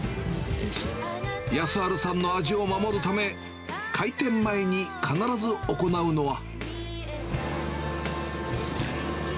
康晴さんの味を守るため、開店前に必ず行うのは。